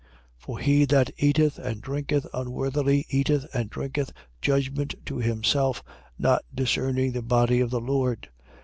For he that eateth and drinketh unworthily eateth and drinketh judgment to himself, not discerning the body of the Lord.